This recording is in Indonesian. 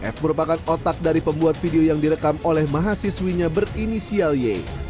f merupakan otak dari pembuat video yang direkam oleh mahasiswinya berinisial y